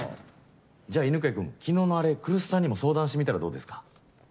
じゃあ犬飼君昨日のあれ来栖さんにも相談してみたらどうですか？